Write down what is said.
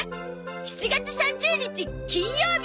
７月３０日金曜日！